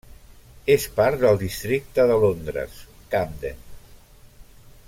És part del Districte de Londres Camden.